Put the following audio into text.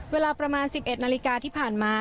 เวลาประมาณ๑๑นาฬิกาที่ผ่านมา